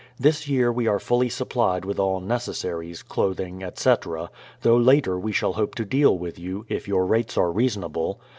This year we are fully supplied with all necessaries, clothing, etc., though later we shall hope to deal with you, if your rates are reasonable.